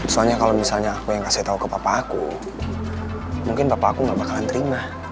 soalnya kalau misalnya aku yang kasih tau ke papaku mungkin papaku gak bakalan terima